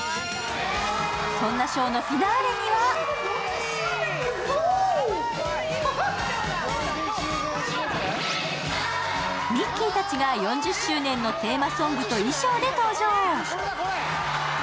そんなショーのフィナーレにはミッキーたちが４０周年のテーマソングと衣装で登場。